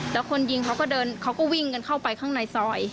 แล้วคนยิงเขาก็เดินเขาก็วิ่งกันเข้าไปข้างในซอย